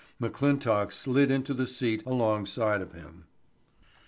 McClintock slid into the seat alongside of him.